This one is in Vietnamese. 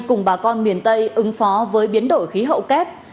cùng bà con miền tây ứng phó với biến đổi khí hậu kép